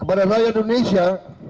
kepada rakyat indonesia